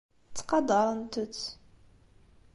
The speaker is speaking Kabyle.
Ttqadarent-t.